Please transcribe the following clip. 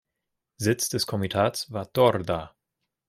Sitz des Komitats war Torda.